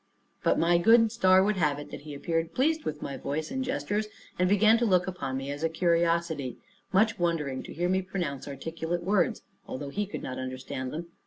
But my good star would have it, that he appeared pleased with my voice and gestures, and began to look upon me as a curiosity, much wondering to hear me pronounce articulate words, although he could not understand them.